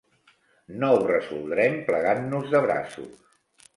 No ho resoldrem plegant-nos de braços.